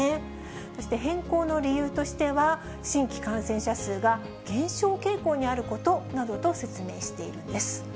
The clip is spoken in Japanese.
そして変更の理由としては、新規感染者数が減少傾向にあることなどと説明しているんです。